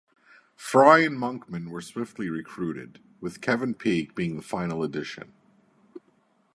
Fry and Monkman were swiftly recruited, with Kevin Peek being the final addition.